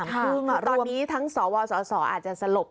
ตี๓๓๐อ่ะรวมที่ทั้งสอวสสอาจจะสลบ